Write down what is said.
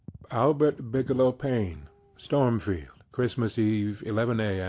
Albert Bigelow Paine. Stormfield, Christmas Eve, 11 A.